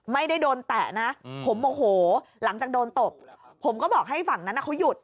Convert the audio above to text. ไม่ได้โดนแตะนะผมโมโหหลังจากโดนตบผมก็บอกให้ฝั่งนั้นเขาหยุด